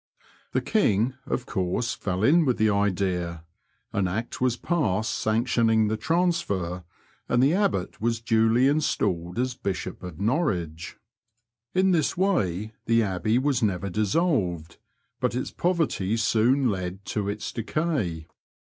The King of course fell in with the idea, an Act was passed sanctioning the transfer^ and the Abbot was duly installed as Bishop of Norwich. In this way the Abbey was never dissolved, but its poverty soon led to its decay.